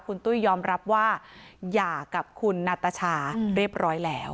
คุณตุ้ยยอมรับว่าหย่ากับคุณนัตชาเรียบร้อยแล้ว